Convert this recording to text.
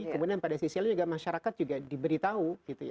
kemudian pada sisi lain juga masyarakat juga diberitahu